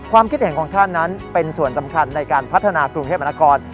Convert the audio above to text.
ความคิดเห็นของท่านนั้นเป็นส่วนสำคัญในการพัฒนากรุงเทพมนาคอน